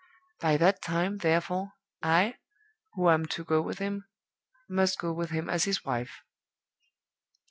By that time, therefore, I, who am to go with him, must go with him as his wife.